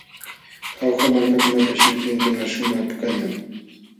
Jauja wamlakunapa sirpinkuna shumaq pukallam.